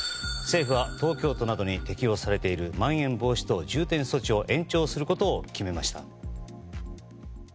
政府は東京都などに適用されているまん延防止等重点措置を延長することを決めました。